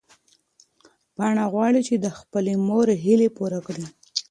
پاڼه غواړي چې د خپلې مور هیلې پوره کړي.